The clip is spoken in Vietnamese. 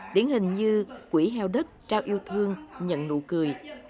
điển hình như quỹ heo đất trao yêu thương nhận nụ cười